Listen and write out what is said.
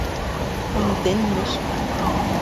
Poan dent am eus.